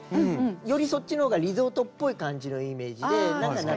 よりそっちのほうがリゾートっぽい感じのイメージで夏のイメージで。